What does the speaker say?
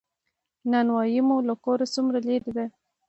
نان بایی مو له کوره څومره لری ده؟